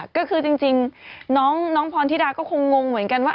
ก็คือจริงน้องพรธิดาก็คงงเหมือนกันว่า